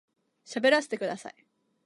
喋らせてください